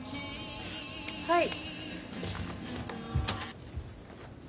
はい。